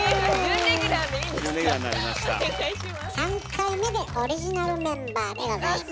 ３回目でオリジナルメンバーでございます。